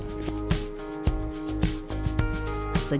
sejumlah perbicaraan yang telah dilakukan